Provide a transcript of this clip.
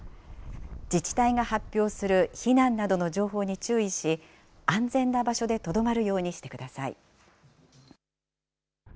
自治体が発表する避難などの情報に注意し、安全な場所でとどまるようにしてください。